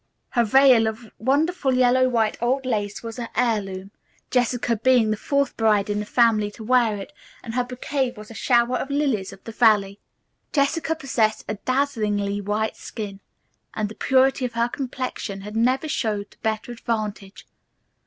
Her veil of wonderful yellow white old lace, was an heirloom, Jessica being the fourth bride in the family to wear it, and her bouquet was a shower of lilies of the valley. Jessica possessed a dazzlingly white skin, and the purity of her complexion had never showed to better advantage.